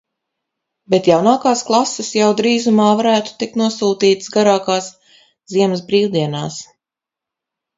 Bet jaunākās klases jau drīzumā varētu tikt nosūtītas garākās ziemas brīvdienās.